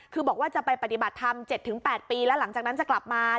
คือบอกว่าจะไปปฏิบัติธรรม๗๘ปีแล้วหลังจากนั้นจะกลับมา